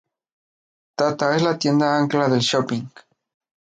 Tata es la tienda ancla del shopping.